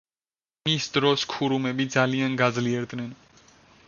მის დროს ქურუმები ძალიან გაძლიერდნენ.